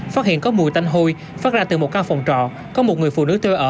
phát hiện có mùi tanh hôi phát ra từ một căn phòng trọ có một người phụ nữ thuê ở